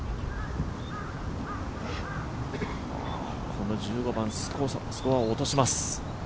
この１５番スコアを落とします。